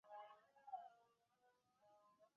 有这么灵？